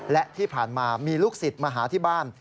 และที่ผ่านมามีลูกศิษย์มาหาที่บ้าน